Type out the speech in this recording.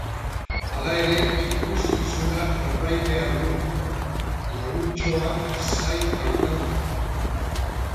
Hala ere ikuskizunak jarrai behar du, laguntxoak zai bait daude.